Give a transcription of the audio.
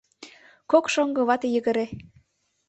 Кок шоҥго вате йыгыре